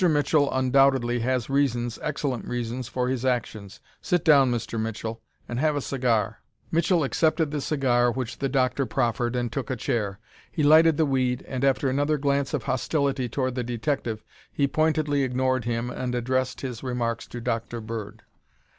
Mitchell undoubtedly has reasons, excellent reasons, for his actions. Sit down, Mr. Mitchell, and have a cigar." Mitchell accepted the cigar which the doctor proferred and took a chair. He lighted the weed and after another glance of hostility toward the detective he pointedly ignored him and addressed his remarks to Dr. Bird.